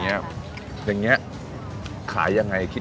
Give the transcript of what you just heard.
คนที่มาทานอย่างเงี้ยควรจะมาทานแบบคนเดียวนะครับ